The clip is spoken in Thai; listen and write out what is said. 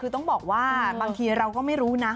คือต้องบอกว่าบางทีเราก็ไม่รู้นะ